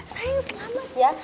sayang selamat ya